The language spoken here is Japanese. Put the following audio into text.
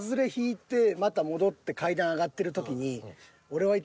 また戻って階段上がってる時に。